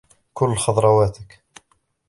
كُل خضراواتك.